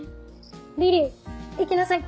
リリイ行きなさい！